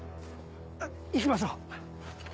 あ行きましょう。